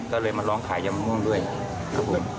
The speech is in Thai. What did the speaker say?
ก็เลยมาร้องขายยำม่วงด้วยครับผม